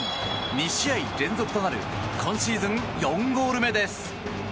２試合連続となる今シーズン４ゴール目です。